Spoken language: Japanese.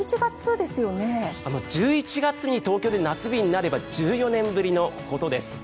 １１月に東京で夏日になれば１４年ぶりのことです。